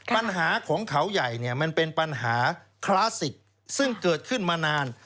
ปัญหาของเขาใหญ่เนี่ยมันเป็นปัญหาคลาสสิกซึ่งเกิดขึ้นมานาน